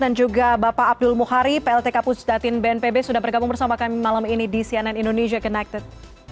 dan juga bapak abdul muhari plt kapus datin bnpb sudah bergabung bersama kami malam ini di cnn indonesia connected